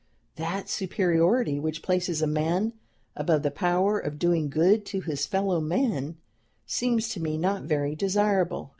That superiority which places a man above the power of doing good to his fellow men seems to me not very desirable.